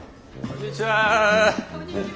こんにちは。